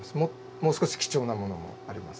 もう少し貴重なものもあります。